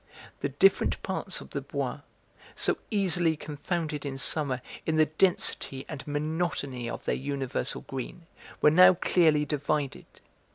The different parts of the Bois, so easily confounded in summer in the density and monotony of their universal green, were now clearly divided.